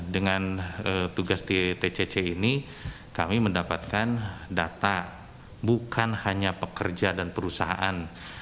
dengan tugas di tcc ini kami mendapatkan data bukan hanya pekerja dan perusahaan